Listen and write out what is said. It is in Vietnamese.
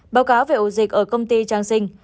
báo cáo về ổ dịch ở công ty trang sinh